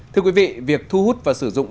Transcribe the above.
thưa quý vị việc thu hút và sử dụng